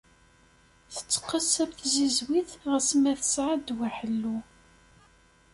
Tetteqqes am tzizwit ɣas ma tesɛa ddwa ḥellu.